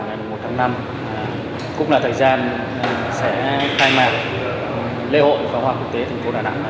lễ ba mươi tháng bốn ngày một tháng năm cũng là thời gian sẽ khai mạc lễ hội pháo hoa quốc tế thành phố đà nẵng